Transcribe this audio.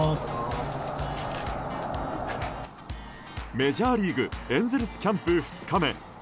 メジャーリーグエンゼルスキャンプ２日目。